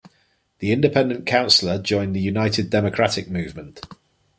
The independent councillor joined the United Democratic Movement.